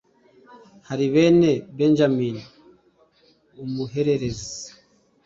Hari bene Benyamini umuhererezi